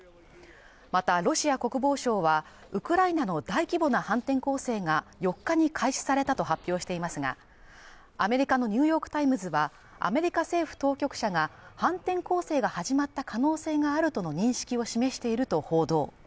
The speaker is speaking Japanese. またロシア国防省は、ウクライナの大規模な反転攻勢が４日に開始されたと発表していますが、アメリカの「ニューヨーク・タイムズ」は、アメリカ政府当局者が反転攻勢が始まった可能性があるとの認識を示していると報道。